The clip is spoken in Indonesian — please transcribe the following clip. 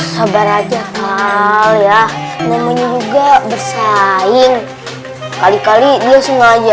sabar aja ya memang juga bersaing kali kali dia semuanya